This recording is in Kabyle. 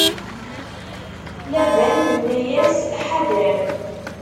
Laban inna-yas: Ḥadeṛ!